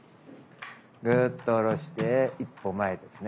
ぐっと下ろして１歩前ですね。